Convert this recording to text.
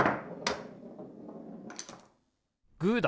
グーだ！